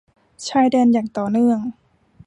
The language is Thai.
ชายแดนอย่างต่อเนื่อง